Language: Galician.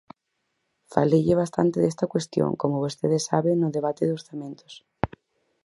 Faleille bastante desta cuestión, como vostede sabe, no debate de orzamentos.